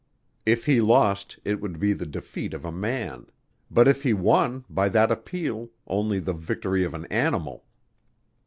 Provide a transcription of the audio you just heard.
If he lost it would be the defeat of a man, but if he won, by that appeal, only the victory of an animal.